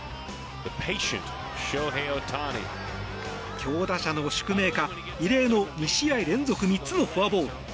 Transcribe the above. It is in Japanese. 強打者の宿命か異例の２試合連続３つのフォアボール。